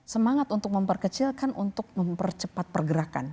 semangat untuk memperkecilkan untuk mempercepat pergerakan